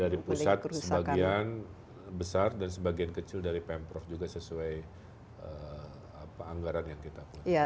dari pusat sebagian besar dan sebagian kecil dari pemprov juga sesuai anggaran yang kita punya